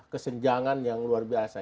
kesenjangan yang luar biasa